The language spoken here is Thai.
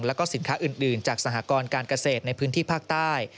แล้วก็สินค้าอื่นจากสหกรการเกษตรในพื้นที่ภาคใต้